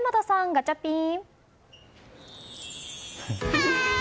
ガチャピン